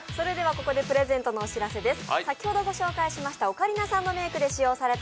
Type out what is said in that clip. ここでプレゼントのお知らせです。